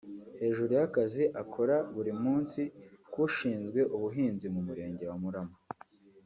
Hejuru y’akazi akora buri munsi k’ushinzwe ubuhinzi mu murenge wa Murama